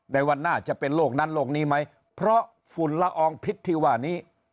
ในวันหน้าจะเป็นโรคนั้นโรคนี้ไหมเพราะฝุ่นละอองพิษที่ว่านี้